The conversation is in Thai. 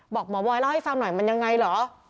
บอกหมอบอยเล่าให้ฟังหน่อยมันยังไงเหรอ